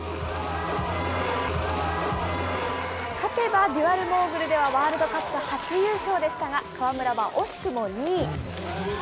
勝てばデュアルモーグルではワールドカップ初優勝でしたが、川村は惜しくも２位。